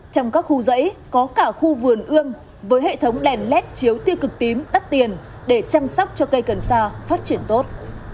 trong các khu dãy có cả khu vườn ươm với hệ thống đèn led chiếu tiêu cực tím đắt tiền để chăm sóc cho cây cần sa phát triển tốt